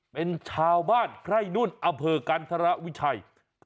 เป็นชาวบ้านใคร่นุ่นอำเภอกันธรวิชัย